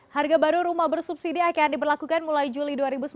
harga baru rumah bersubsidi akan diberlakukan mulai juli dua ribu sembilan belas